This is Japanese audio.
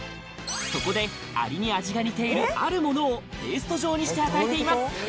そこでアリに味が似ているあるものをペースト状にして与えています